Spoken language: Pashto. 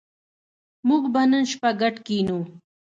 موږ به نن شپه ګډ کېنو